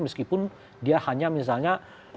meskipun dia hanya misalnya